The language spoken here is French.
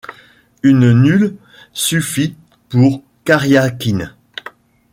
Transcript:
Une nulle suffit pour Kariakine.